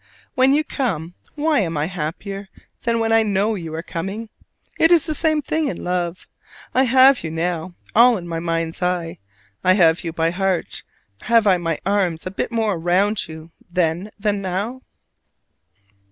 When you come, why am I any happier than when I know you are coming? It is the same thing in love. I have you now all in my mind's eye; I have you by heart; have I my arms a bit more round you then than now?